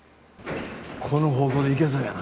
この方向でいけそうやな。